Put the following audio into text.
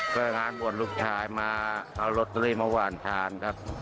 ก็งานบวชลูกชายมาเอาลอตเตอรี่มาหวานทานครับ